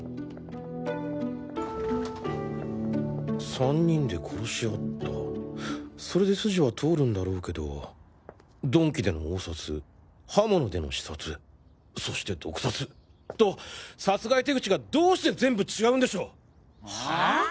３人で殺し合ったそれで筋は通るんだろうけど鈍器での殴殺刃物での刺殺そして毒殺と殺害手口がどうして全部違うんでしょう？はあ？